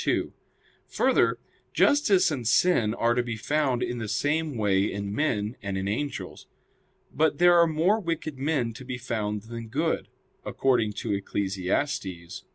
2: Further, justice and sin are to be found in the same way in men and in angels. But there are more wicked men to be found than good; according to Eccles.